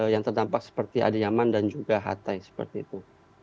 yang terdampak seperti adiman dan juga hatay seperti itu